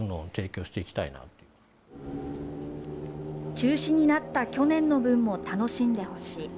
中止になった去年の分も楽しんでほしい。